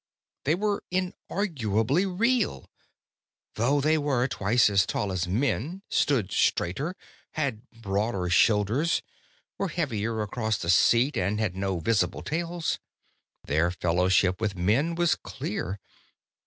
_ They were unarguably real. Though they were twice as tall as men, stood straighter, had broader shoulders, were heavier across the seat and had no visible tails, their fellowship with men was clear.